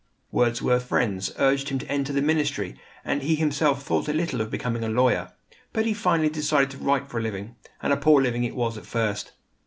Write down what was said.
Wordsworth's friends urged him to enter the ministry, and he himself thought a little of becoming a lawyer; but he finally decided to write for a living. And a poor living it was at first!